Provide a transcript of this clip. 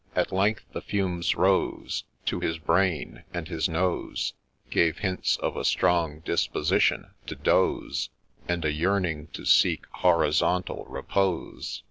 At length the fumes rose To his brain ; and his nose THE BAGMAN'S DOG 203 Gave hints of a strong disposition to doze, And a yearning to seek ' horizontal repose.'